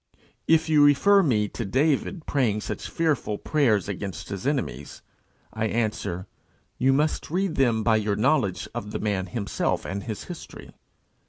If you refer me to David praying such fearful prayers against his enemies, I answer, you must read them by your knowledge of the man himself and his history.